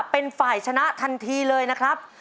เป็นฝ่ายชนะทันทีเลยนะครับ